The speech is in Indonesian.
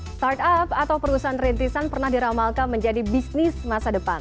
startup atau perusahaan rintisan pernah diramalkan menjadi bisnis masa depan